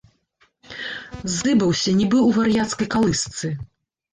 Зыбаўся, нібы ў вар'яцкай калысцы.